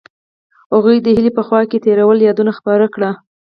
هغوی د هیلې په خوا کې تیرو یادونو خبرې کړې.